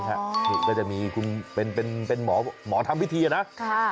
นี่ก็จะมีคุณเป็นหมอทำพิธีนะ